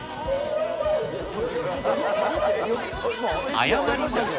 謝ります。